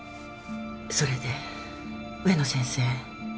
それで植野先生。